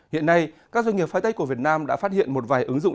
hiện nay các doanh nghiệp phái tách của việt nam đã phát hiện một vài ứng dụng